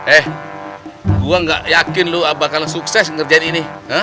eh gua gak yakin lu bakalan sukses ngerjain ini